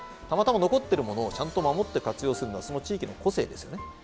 たまたま残ってるものをちゃんと守って活用するのはその地域の個性ですよね。